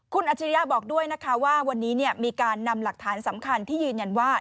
คุณอัจฉริยะบอกด้วยนะคะว่าวันนี้มีการนำหลักฐานสำคัญที่ยืนยันว่า